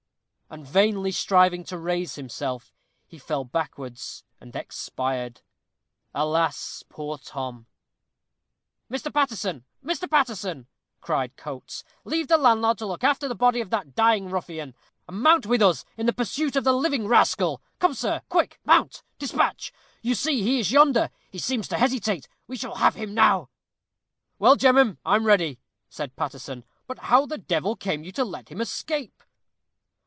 And vainly striving to raise himself, he fell backwards and expired. Alas, poor Tom! "Mr. Paterson! Mr. Paterson!" cried Coates; "leave the landlord to look after the body of that dying ruffian, and mount with us in pursuit of the living rascal. Come, sir; quick! mount! despatch! You see he is yonder; he seems to hesitate; we shall have him now." "Well, gemmen, I'm ready," said Paterson; "but how the devil came you to let him escape?"